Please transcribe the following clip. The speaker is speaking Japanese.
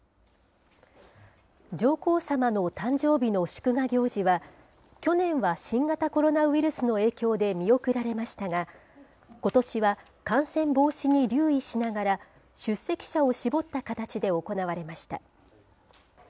上皇さまの誕生日の祝賀行事は、去年は新型コロナウイルスの影響で見送られましたが、ことしは感染防止に留意しながら、出席者を絞った形で行われました。